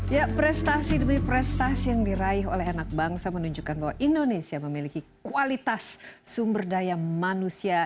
ya prestasi demi prestasi yang diraih oleh anak bangsa menunjukkan bahwa indonesia memiliki kualitas sumber daya manusia